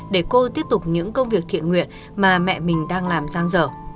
để cô tiếp tục những công việc thiện nguyện mà mẹ mình đang làm giang dở